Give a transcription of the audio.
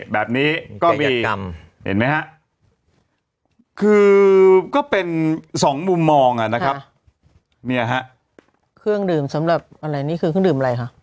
แบบนี้ก็มีเห็นไหมฮะคือก็เป็นสองมุมมองนะครับเนี่ยฮะเครื่องดื่มสำหรับอะไรนี่คือเครื่องดื่มอะไรคะ